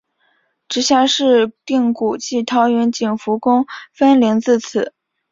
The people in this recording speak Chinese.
直辖市定古迹桃园景福宫分灵自此。